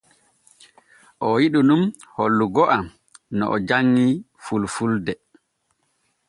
O yiɗu nun hollugo am no o janŋii fulfulde.